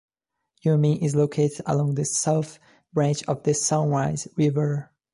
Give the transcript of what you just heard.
Wyoming is located along the South Branch of the Sunrise River.